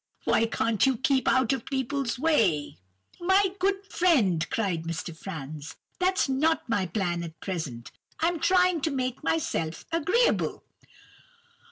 Why can't you keep out of people's way?' "'My good friend,' cried Mr. Franz, 'that's not my plan at present. I'm trying to make myself agreeable.